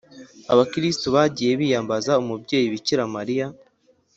abakristu bagiye biyambaza umubyeyi bikira mariya,